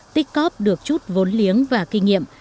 tích cóp được chút vốn liếng và kinh nghiệm